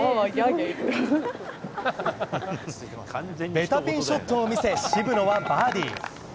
ベタピンショットを見せ渋野はバーディー。